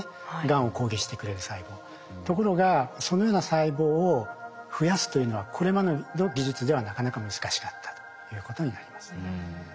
ところがそのような細胞を増やすというのはこれまでの技術ではなかなか難しかったということになります。